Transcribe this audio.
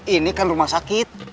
ini kan rumah sakit